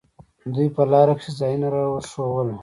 دوى په لاره کښې ځايونه راښوول.